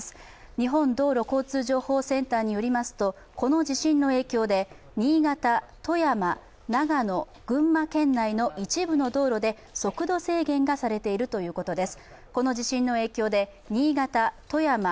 日本道路交通情報センターによりますとこの地震の影響で新潟、富山、長野、群馬県内の一部の道路で速度制限がされているということです。